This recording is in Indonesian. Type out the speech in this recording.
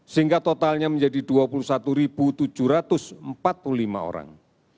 sehingga totalnya menjadi dua puluh satu tujuh ratus empat puluh lima orang